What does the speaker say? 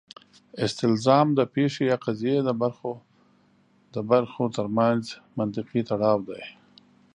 استلزام د پېښې یا قضیې د برخو ترمنځ منطقي تړاو دی.